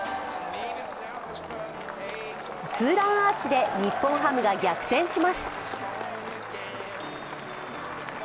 ツーランアーチで日本ハムが逆転します。